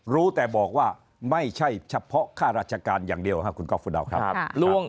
รู้แต่บอกว่าไม่ใช่เฉพาะค่าราชการอย่างเดียวครับคุณก๊อฟฟุดาวครับ